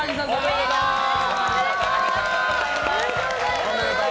おめでとうございます！